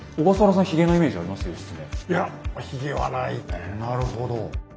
なるほど。